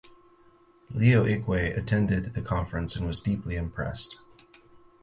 Leo Igwe attended the conference and was deeply impressed.